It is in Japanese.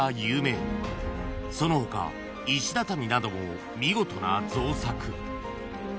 ［その他石畳なども見事な造作］